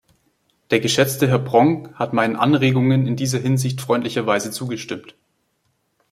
Der geschätzte Herr Pronk hat meinen Anregungen in dieser Hinsicht freundlicherweise zugestimmt.